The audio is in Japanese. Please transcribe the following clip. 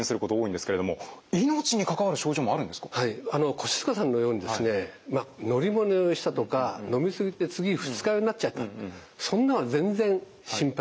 越塚さんのようにですね乗り物酔いしたとか飲み過ぎて次二日酔いになっちゃったそんなの全然心配ない。